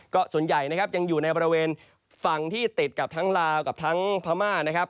ก็ส่วนใหญ่นะครับยังอยู่ในบริเวณฝั่งที่ติดกับทั้งลาวกับทั้งพม่านะครับ